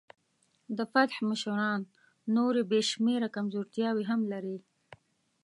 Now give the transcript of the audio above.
د فتح مشران نورې بې شمېره کمزورتیاوې هم لري.